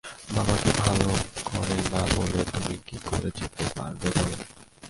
বাবাকে ভালো করে না বলে তুমি কী করে যেতে পারবে বলো।